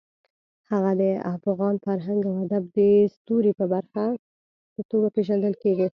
هغه د افغان فرهنګ او ادب د ستوري په توګه پېژندل کېږي.